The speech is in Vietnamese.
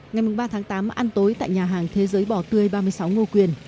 ngày ba tháng tám ăn tối tại nhà hàng thế giới bỏ tươi ba mươi sáu ngô quyền